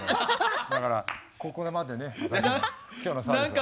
だからここまでね今日のサービスは。